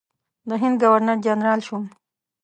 د هند ګورنر جنرال شوم.